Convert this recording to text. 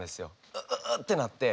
うううってなって。